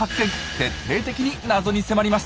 徹底的に謎に迫ります。